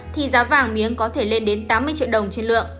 thì giá vàng miếng có thể lên đến tám mươi triệu đồng trên lượng